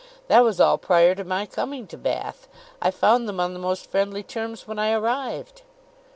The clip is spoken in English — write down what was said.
That was all prior to my coming to Bath. I found them on the most friendly terms when I arrived."